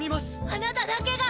あなただけが。